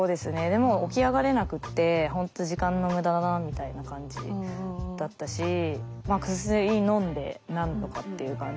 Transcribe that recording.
でもう起き上がれなくってほんと時間の無駄だなみたいな感じだったし薬のんで何とかっていう感じですけど。